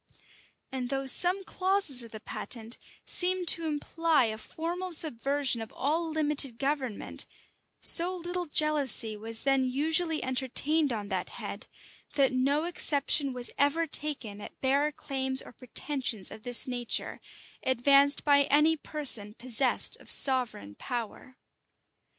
And though some clauses of the patent seemed to imply a formal subversion of all limited government, so little jealousy was then usually entertained on that head, that no exception was ever taken at bare claims or pretensions of this nature, advanced by any person possessed of sovereign power.